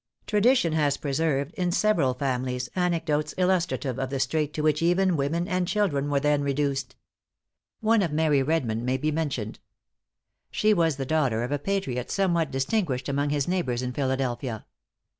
Tradition has preserved, in several families, anecdotes illustrative of the strait to which even women and children were then reduced. One of Mary Redmond may be mentioned. She was the daughter of a patriot somewhat distinguished among his neighbors in Philadelphia.